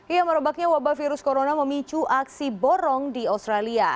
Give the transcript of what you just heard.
ya merebaknya wabah virus corona memicu aksi borong di australia